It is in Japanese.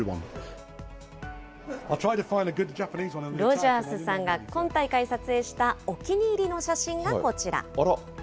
ロジャースさんが今大会撮影したお気に入りの写真がこちら。